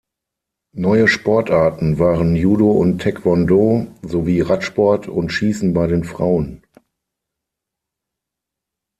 Neue Sportarten waren Judo und Taekwondo sowie Radsport und Schießen bei den Frauen.